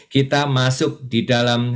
kita masuk di dalam